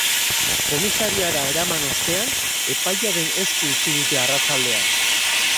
Komisariara eraman ostean, epailearen esku utzi dute arratsaldean.